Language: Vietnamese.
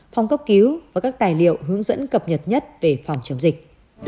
phòng cấp cứu và các tài liệu hướng dẫn cập nhật nhất về phòng chống dịch